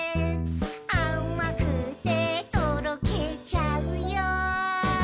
「あまくてとろけちゃうよ」